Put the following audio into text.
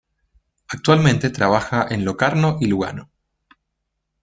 Actualmente trabaja en Locarno y Lugano.